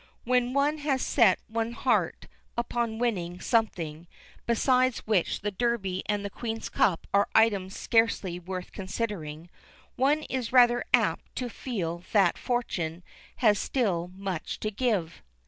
When one has set one's heart upon winning something, besides which the Derby and the Queen's Cup are items scarcely worth considering, one is rather apt to feel that Fortune has still much to give."